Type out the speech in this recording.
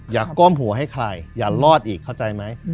ก้มหัวให้ใครอย่ารอดอีกเข้าใจไหม